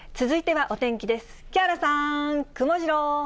続いてはお天気です。